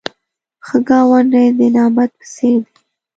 ښه ګاونډی د نعمت په څېر دی